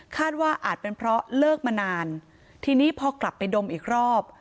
ว่าอาจเป็นเพราะเลิกมานานทีนี้พอกลับไปดมอีกรอบ